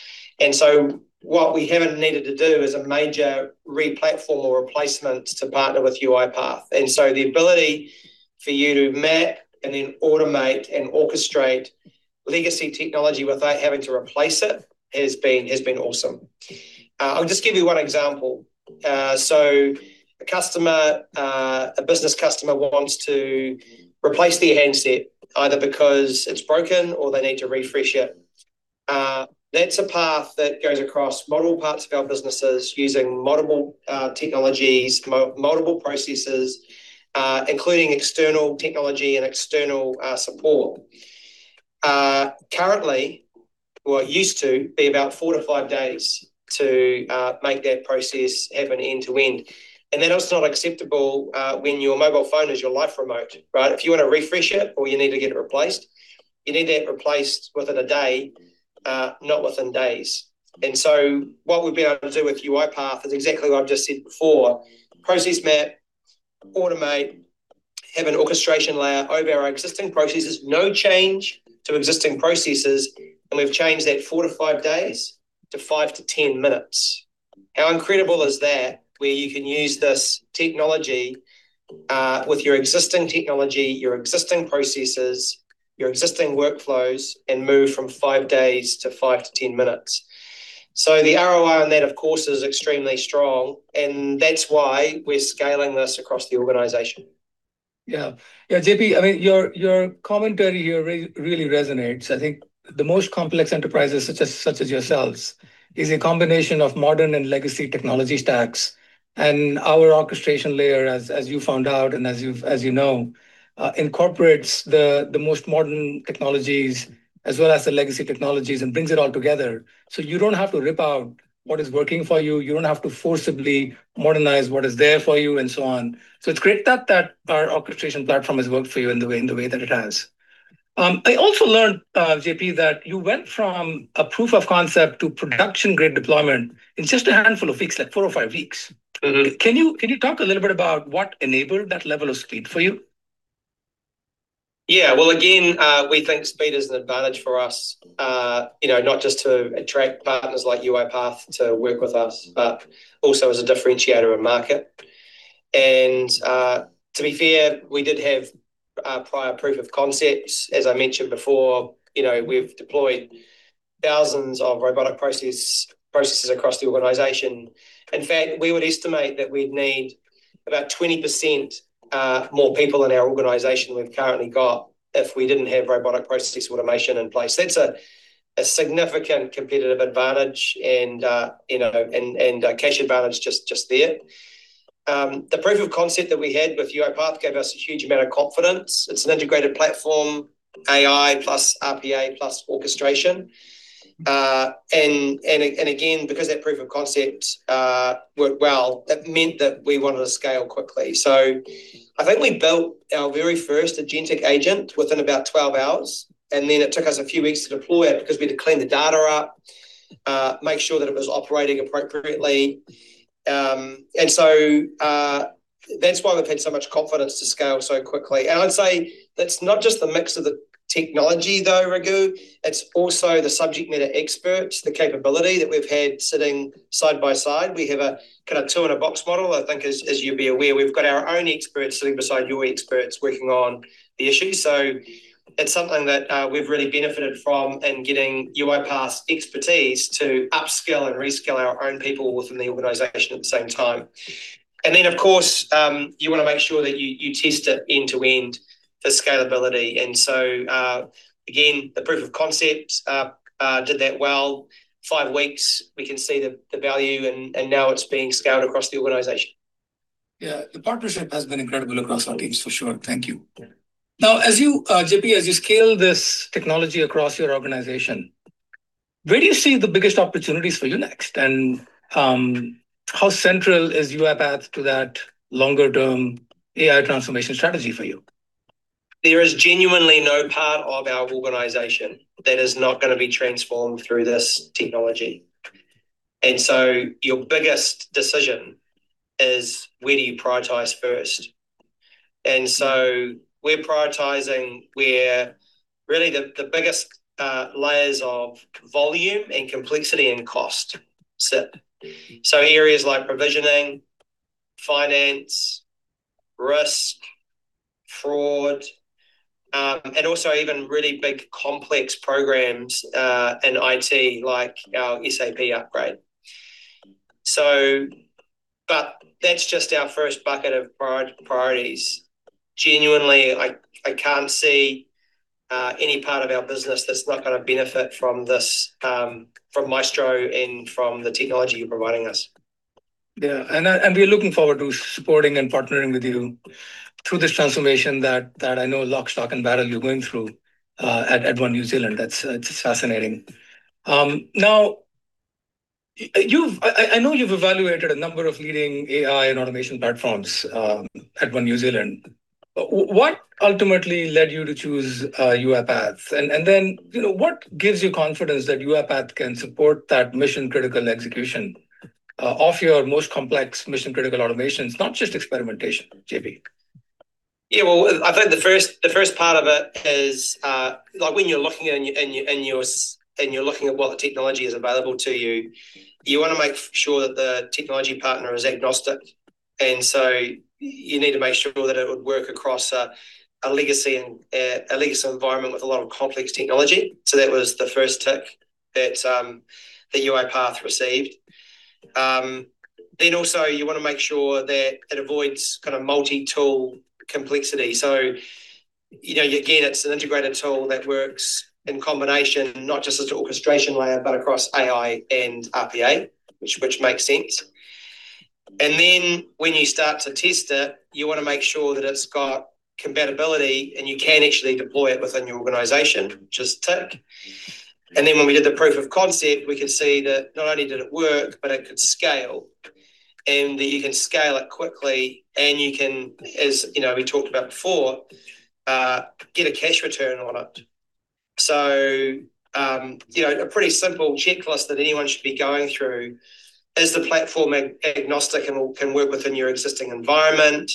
What we haven't needed to do is a major re-platform or replacement to partner with UiPath. The ability for you to map and then automate and orchestrate legacy technology without having to replace it has been awesome. I'll just give you one example. A business customer wants to replace their handset, either because it's broken or they need to refresh it. That's a path that goes across multiple parts of our businesses using multiple technologies, multiple processes, including external technology and external support. Currently, or it used to be about four to five days to make that process happen end-to-end, and that is not acceptable when your mobile phone is your lifeline, right? If you want to refresh it or you need to get it replaced, you need that replaced within a day, not within days. What we've been able to do with UiPath is exactly what I've just said before. Process map, automate, have an orchestration layer over our existing processes. No change to existing processes, and we've changed that four to five days, to 5-10 minutes. How incredible is that, where you can use this technology with your existing technology, your existing processes, your existing workflows, and move from five days to 5-10 minutes? The ROI on that, of course, is extremely strong, and that's why we're scaling this across the organization. Yeah. JP, your commentary here really resonates. I think the most complex enterprises, such as yourselves, is a combination of modern and legacy technology stacks, and our orchestration layer, as you found out and as you know, incorporates the most modern technologies as well as the legacy technologies and brings it all together. You don't have to rip out what is working for you don't have to forcibly modernize what is there for you, and so on. It's great that our orchestration platform has worked for you in the way that it has. I also learned, JP, that you went from a proof of concept to production grade deployment in just a handful of weeks, like four or five weeks. Mm-hmm. Can you talk a little bit about what enabled that level of speed for you? Yeah. Well, again, we think speed is an advantage for us, not just to attract partners like UiPath to work with us, but also as a differentiator in market. To be fair, we did have prior proof of concepts. As I mentioned before, we've deployed thousands of robotic processes across the organization. In fact, we would estimate that we'd need about 20% more people in our organization we've currently got if we didn't have robotic process automation in place. That's a significant competitive advantage, and a cash advantage just there. The proof of concept that we had with UiPath gave us a huge amount of confidence. It's an integrated platform, AI plus RPA plus orchestration. Again, because that proof of concept worked well, that meant that we wanted to scale quickly. I think we built our very first agentic agent within about 12 hours, and then it took us a few weeks to deploy it because we had to clean the data up, make sure that it was operating appropriately. That's why we've had so much confidence to scale so quickly. I'd say that's not just the mix of the technology, though, Raghu. It's also the subject matter experts, the capability that we've had sitting side-by-side. We have a kind of two-in-a-box model, I think as you'd be aware. We've got our own experts sitting beside your experts working on the issues. It's something that we've really benefited from in getting UiPath's expertise to upskill and reskill our own people within the organization at the same time. Of course, you want to make sure that you test it end-to-end for scalability. Again, the proof of concept did that well. Five weeks, we can see the value, and now it's being scaled across the organization. Yeah, the partnership has been incredible across our teams for sure. Thank you. Yeah. Now, JP, as you scale this technology across your organization, where do you see the biggest opportunities for you next, and how central is UiPath to that longer-term AI transformation strategy for you? There is genuinely no part of our organization that is not going to be transformed through this technology. Your biggest decision is, where do you prioritize first? We're prioritizing where really the biggest layers of volume and complexity and cost sit. Areas like provisioning, finance, risk, fraud, and also even really big, complex programs in IT, like our SAP upgrade. That's just our first bucket of priorities. Genuinely, I can't see any part of our business that's not going to benefit from this, from Maestro and from the technology you're providing us. Yeah. We are looking forward to supporting and partnering with you through this transformation that I know lock, stock, and barrel you're going through at One New Zealand. That's fascinating. Now, I know you've evaluated a number of leading AI and automation platforms at One New Zealand. What ultimately led you to choose UiPath? Then what gives you confidence that UiPath can support that mission-critical execution of your most complex mission-critical automations, not just experimentation, JP? Yeah. Well, I think the first part of it is when you're looking at what technology is available to you want to make sure that the technology partner is agnostic. You need to make sure that it would work across a legacy environment with a lot of complex technology. That was the first tick that UiPath received. Also, you want to make sure that it avoids kind of multi-tool complexity. Again, it's an integrated tool that works in combination, not just as an orchestration layer, but across AI and RPA, which makes sense. When you start to test it, you want to make sure that it's got compatibility, and you can actually deploy it within your organization, just tick. When we did the proof of concept, we could see that not only did it work, but it could scale, and that you can scale it quickly, and you can, as we talked about before, get a cash return on it. A pretty simple checklist that anyone should be going through. Is the platform agnostic and can work within your existing environment?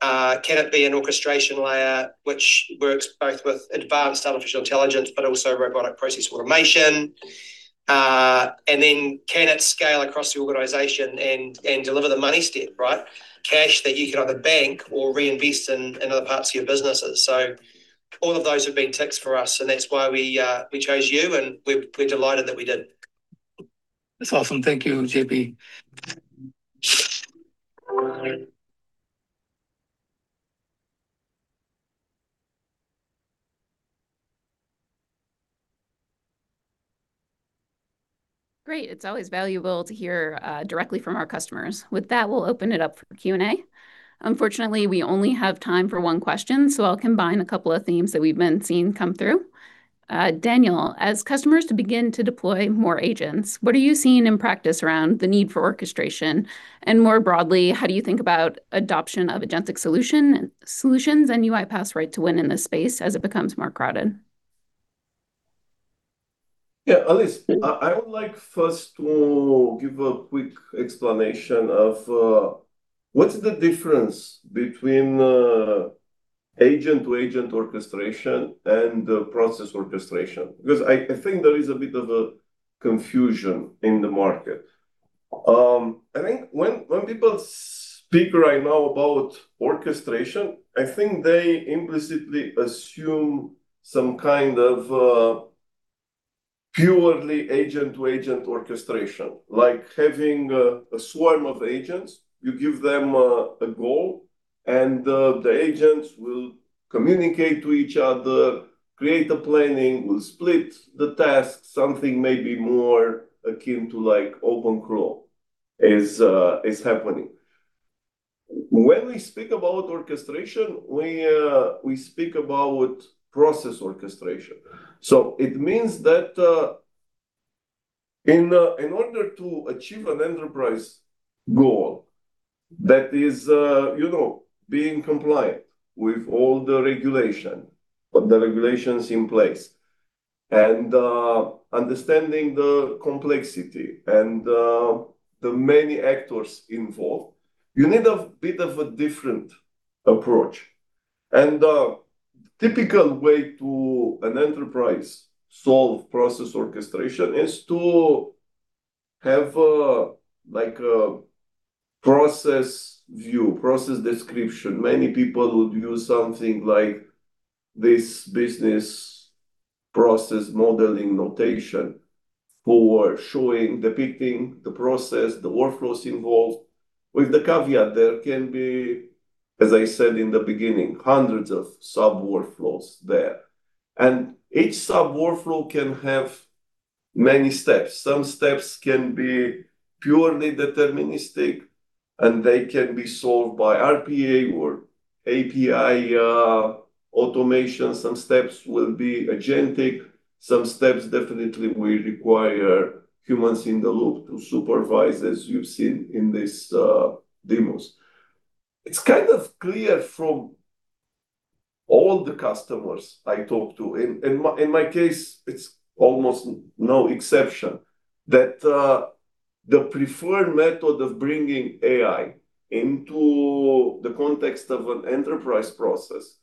Can it be an orchestration layer which works both with advanced artificial intelligence but also robotic process automation? Can it scale across the organization and deliver the money step, right? Cash that you can either bank or reinvest in other parts of your businesses. All of those have been ticks for us, and that's why we chose you, and we're delighted that we did. That's awesome. Thank you, JP. Great. It's always valuable to hear directly from our customers. With that, we'll open it up for Q&A. Unfortunately, we only have time for one question, so I'll combine a couple of themes that we've been seeing come through. Daniel, as customers begin to deploy more agents, what are you seeing in practice around the need for orchestration? And more broadly, how do you think about adoption of agentic solutions and UiPath's right to win in this space as it becomes more crowded? Yeah. Allise, I would like first to give a quick explanation of what's the difference between agent-to-agent orchestration and process orchestration. Because I think there is a bit of a confusion in the market. I think when people speak right now about orchestration, I think they implicitly assume some kind of purely agent-to-agent orchestration. Like having a swarm of agents. You give them a goal, and the agents will communicate to each other, create the planning, will split the task, something maybe more akin to OpenCrew is happening. When we speak about orchestration, we speak about process orchestration. It means that in order to achieve an enterprise goal that is being compliant with all the regulation or the regulations in place and understanding the complexity and the many actors involved, you need a bit of a different approach. A typical way for an enterprise to solve process orchestration is to have a process view, process description. Many people would use something like this business process modeling notation for showing, depicting the process, the workflows involved. With the caveat, there can be, as I said in the beginning, hundreds of sub-workflows there, and each sub-workflow can have many steps. Some steps can be purely deterministic, and they can be solved by RPA or API automation. Some steps will be agentic. Some steps definitely will require humans in the loop to supervise, as you've seen in these demos. It's kind of clear from all the customers I talk to, in my case, it's almost no exception, that the preferred method of bringing AI into the context of an enterprise process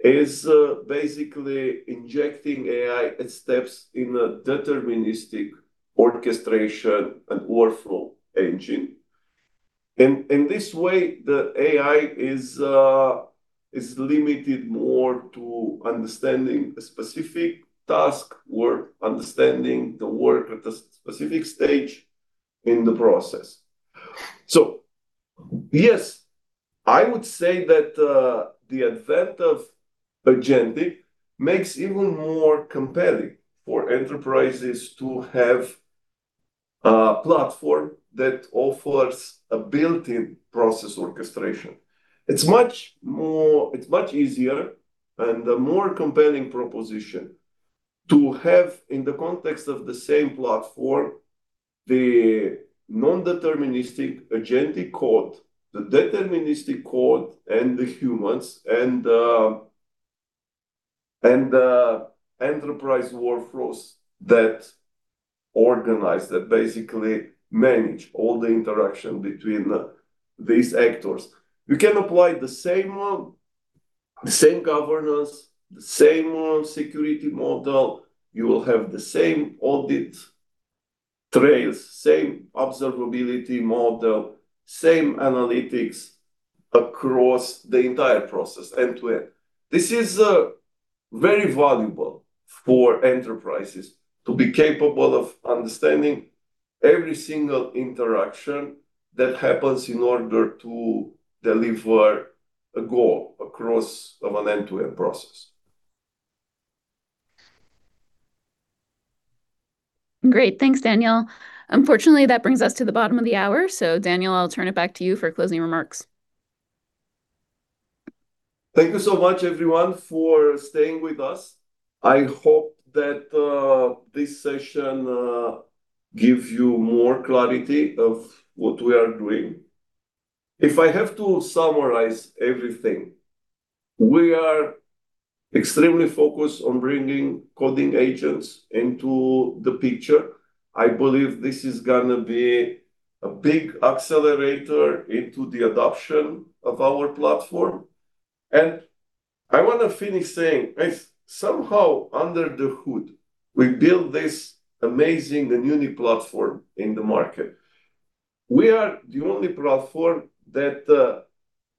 is basically injecting AI steps in a deterministic orchestration and workflow engine. In this way, the AI is limited more to understanding a specific task, work, understanding the work at a specific stage in the process. Yes, I would say that the advent of agentic makes even more compelling for enterprises to have a platform that offers a built-in process orchestration. It's much easier and a more compelling proposition to have in the context of the same platform, the non-deterministic agentic code, the deterministic code, and the humans, and the enterprise workflows that organize, that basically manage all the interaction between these actors. You can apply the same governance, the same security model, you will have the same audit trails, same observability model, same analytics across the entire process end-to-end. This is very valuable for enterprises to be capable of understanding every single interaction that happens in order to deliver a goal across an end-to-end process. Great. Thanks, Daniel. Unfortunately, that brings us to the bottom of the hour. Daniel, I'll turn it back to you for closing remarks. Thank you so much, everyone, for staying with us. I hope that this session give you more clarity of what we are doing. If I have to summarize everything, we are extremely focused on bringing coding agents into the picture. I believe this is going to be a big accelerator into the adoption of our platform. I want to finish saying, somehow under the hood, we built this amazing and unique platform in the market. We are the only platform that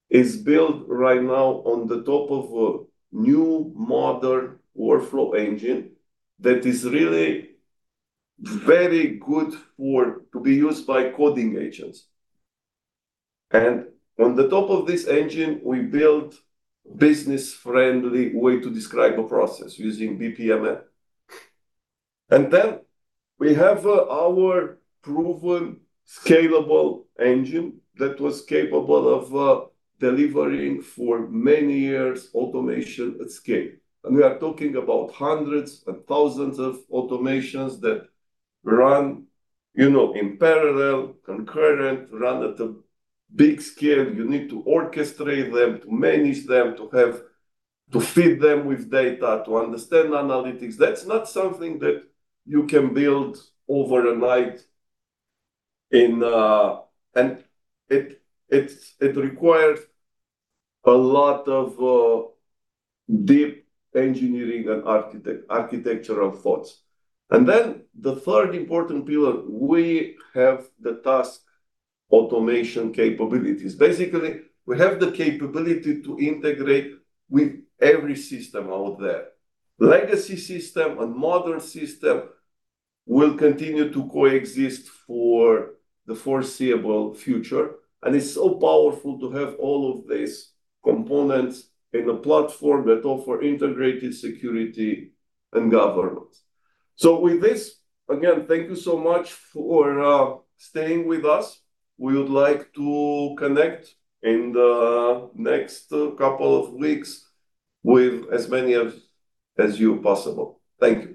is built right now on the top of a new modern workflow engine that is really very good to be used by coding agents. On the top of this engine, we built business-friendly way to describe a process using BPMN. Then we have our proven scalable engine that was capable of delivering for many years automation at scale. We are talking about hundreds and thousands of automations that run in parallel, concurrent, run at a big scale. You need to orchestrate them, to manage them, to feed them with data, to understand analytics. That's not something that you can build overnight, and it requires a lot of deep engineering and architectural thoughts. Then the third important pillar, we have the task automation capabilities. Basically, we have the capability to integrate with every system out there. Legacy system and modern system will continue to coexist for the foreseeable future. It's so powerful to have all of these components in a platform that offer integrated security and governance. With this, again, thank you so much for staying with us. We would like to connect in the next couple of weeks with as many of you as possible. Thank you.